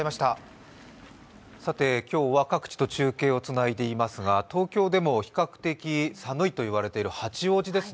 今日は各地と中継をつないでいますが、東京でも比較的寒いといわれている八王子ですね。